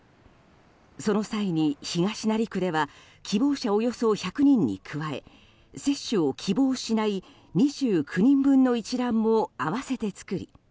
その際に、東成区では希望者およそ１００人に加え接種を希望しない２９人分の一覧も合わせて作り